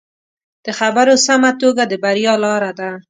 د خبرو سمه توګه د بریا لاره ده